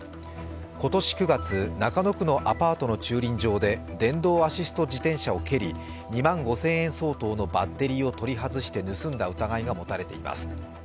今年９月、中野区のアパートの駐輪場で電動アシスト自転車を蹴り、２万５０００円相当のバッテリーを取り外して盗んだ疑いが持たれています。